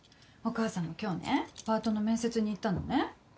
お母さんも今日ねパートの面接に行ったのね。